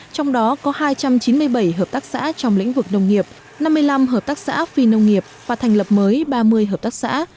trong đó có hai trăm chín mươi bảy hợp tác xã trong lĩnh vực nông nghiệp năm mươi năm hợp tác xã phi nông nghiệp và thành lập mới ba mươi hợp tác xã